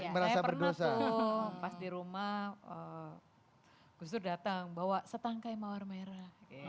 iya saya pernah tuh pas di rumah gus dur datang bawa setangkai mawar merah